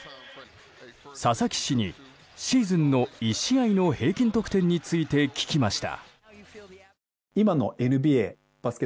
佐々木氏にシーズンの１試合の平均得点について聞きました。